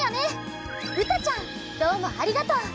うたちゃんどうもありがとう！